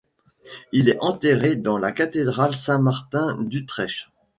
Il est enterré dans la cathédrale Saint-Martin d'Utrecht.